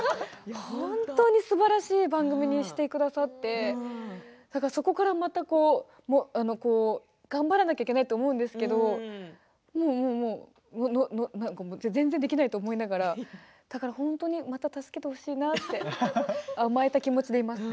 本当にすばらしい番組にしてくださってそこから頑張らなきゃいけないと思うんですけれど全然できないと思いながらだからまた本当に助けてほしいなって甘えた気持ちでいます。